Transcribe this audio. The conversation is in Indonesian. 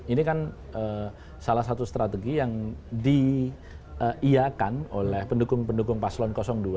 ini kan salah satu strategi yang diiakan oleh pendukung pendukung paslon dua